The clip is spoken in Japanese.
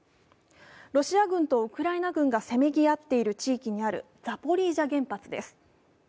ロシア軍とウクライナ軍がせめぎ合っている地域にあるザポリージャ原発です。